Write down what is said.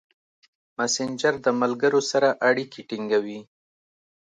مسېنجر د ملګرو سره اړیکې ټینګوي.